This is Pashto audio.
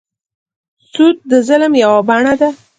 سود د ظلم یوه بڼه ده.